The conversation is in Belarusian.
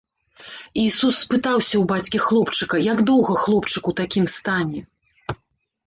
Ісус спытаўся ў бацькі хлопчыка, як доўга хлопчык у такім стане?